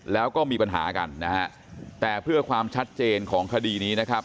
แล้วก็มีปัญหากันแต่เพื่อความชัดเจนของคดีนี้